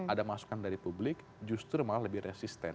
ada masukan dari publik justru malah lebih resisten